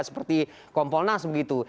seperti kompolnas begitu